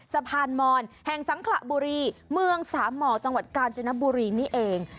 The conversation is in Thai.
สะพานมอนแห่งสังขระบุรีเมืองสามหมอจังหวัดกาญจนบุรีนี่เอง